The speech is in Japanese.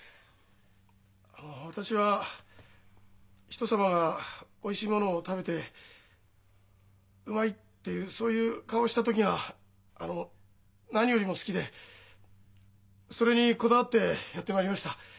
あの私は人様がおいしいものを食べて「うまい！」っていうそういう顔をした時があの何よりも好きでそれにこだわってやってまいりました。